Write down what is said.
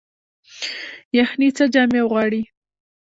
یخني څه جامې غواړي؟